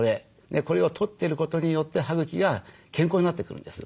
これを取ってることによって歯茎が健康になってくるんです。